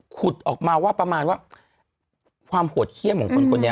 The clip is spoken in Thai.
ขุดออกมาว่าประมาณว่าความโหดเขี้ยมของคนคนนี้